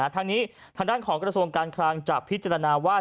ทางนี้ทางด้านของกระทรวงการคลังจะพิจารณาว่า